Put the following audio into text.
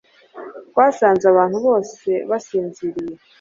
twasanze abantu bose basinziriye